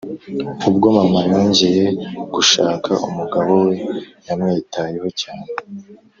Ubwo mama yongeye gushaka umugabo we yamwitayeho cyane